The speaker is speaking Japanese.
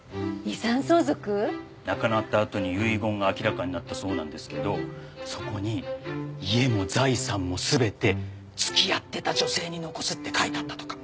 亡くなったあとに遺言が明らかになったそうなんですけどそこに家も財産も全て付き合ってた女性に残すって書いてあったとか。